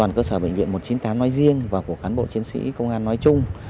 những con da của công đoàn bệnh viện một trăm chín mươi tám nói riêng và của khán bộ chiến sĩ công an nói chung